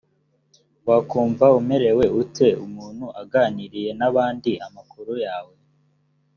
wakumva umerewe ute umuntu aganiriye n abandi amakuru yawe?